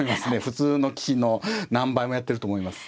普通の棋士の何倍もやってると思います。